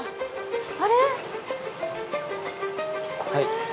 あれ？